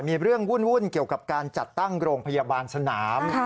มีเรื่องวุ่นเกี่ยวกับการจัดตั้งโรงพยาบาลสนาม